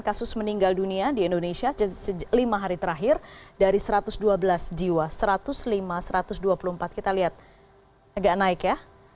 kasus meninggal dunia di indonesia lima hari terakhir dari satu ratus dua belas jiwa satu ratus lima satu ratus dua puluh empat kita lihat agak naik ya